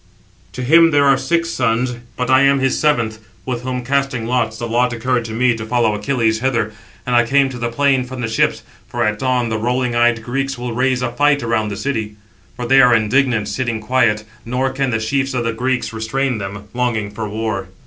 To him there are six sons, but I am his seventh; with whom casting lots, the lot occurred to me to follow [Achilles] hither. And I came to the plain from the ships, for at dawn the rolling eyed Greeks will raise a fight around the city. For they are indignant sitting quiet, nor can the chiefs of the Greeks restrain them, longing for war."